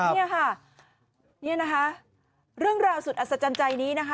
นี่ค่ะนี่นะคะเรื่องราวสุดอัศจรรย์ใจนี้นะคะ